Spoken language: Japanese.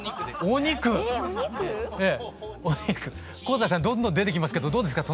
お肉⁉えお肉⁉香西さんどんどん出てきますけどどうですか？